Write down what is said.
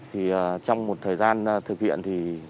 thì trong một thời gian thực hiện thì